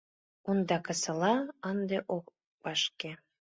Ондакысыла ынде ок вашке